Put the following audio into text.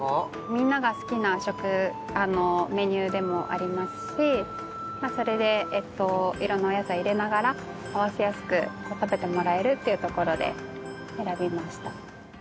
みんなが好きな食メニューでもありますしそれでいろんなお野菜入れながら合わせやすく食べてもらえるっていうところで選びました。